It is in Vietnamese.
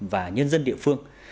và nhân dân địa phương